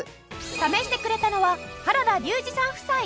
試してくれたのは原田龍二さん夫妻。